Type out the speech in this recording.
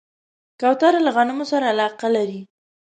کوتره له غنمو سره علاقه لري.